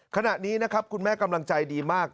ขณะนี้นะครับคุณแม่กำลังใจดีมาก